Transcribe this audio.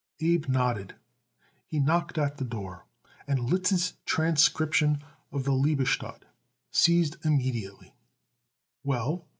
Abe nodded. He knocked at the door, and Liszt's transcription of the Liebestod ceased immediately. "Well?"